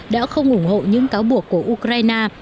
đã không ủng hộ những cáo buộc của ukraine